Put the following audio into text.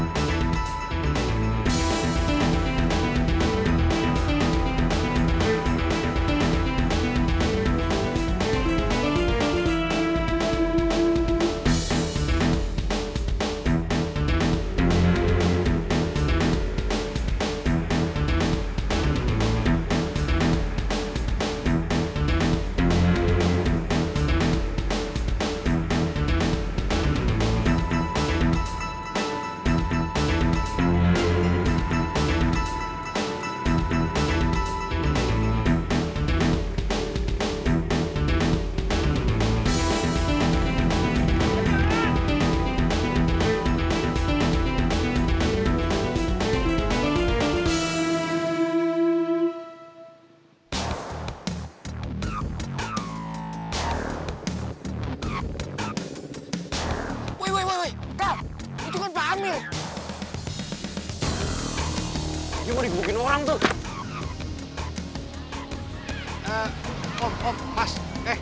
biar gue jemput aja udah